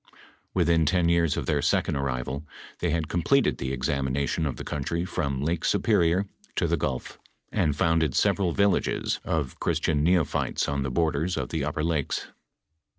"Within ten years of their second arrival, tliey had completed the examination of the country from Lake Superior to the gulf, and founded several villages of Christian neo phytes on the borders of the upper lakes.